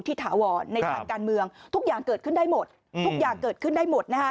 ที่ถาวรในฐานการเมืองทุกอย่างเกิดขึ้นได้หมด